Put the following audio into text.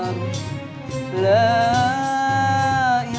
gak usah pak